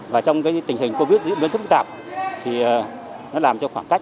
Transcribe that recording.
và trong tình hình covid một mươi chín dưới biến thức phức tạp thì nó làm cho khoảng cách